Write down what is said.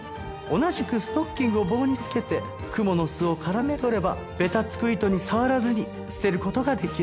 同じくストッキングを棒につけてクモの巣を絡め取ればベタつく糸に触らずに捨てる事ができる。